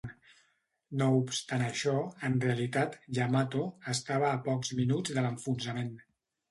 No obstant això, en realitat, "Yamato" estava a pocs minuts de l'enfonsament.